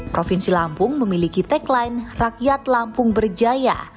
provinsi lampung memiliki tagline rakyat lampung berjaya